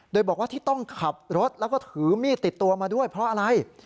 โดยบอกว่าที่ต้องขับรถแล้วก็ถือมีดติดตัวมาด้วยเพราะอะไร